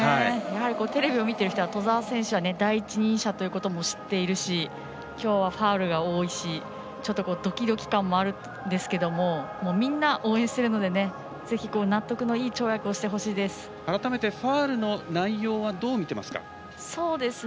テレビを見てる人は兎澤選手は第一人者ということを知っているしきょうはファウルが多いしドキドキ感もあるんですけどみんな、応援しているので改めて、ファウルの内容どう見ていますか？